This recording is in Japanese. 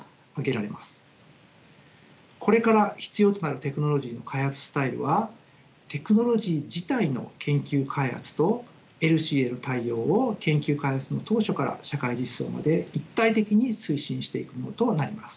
これから必要となるテクノロジーの開発スタイルはテクノロジー自体の研究開発とＥＬＳＩへの対応を研究開発の当初から社会実装まで一体的に推進していくものとなります。